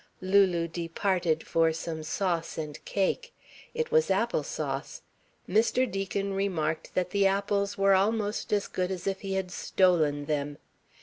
Lulu departed for some sauce and cake. It was apple sauce. Mr. Deacon remarked that the apples were almost as good as if he had stolen them.